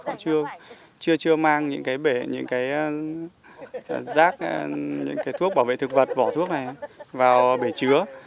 họ chưa mang những cái rác những cái thuốc bảo vệ thực vật vỏ thuốc này vào bể chứa